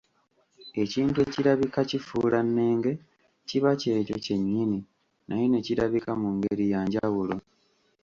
Ekintu ekirabika kifuulannenge kiba kyekyo kye nnyini naye ne kirabika mu ngeri ya njawulo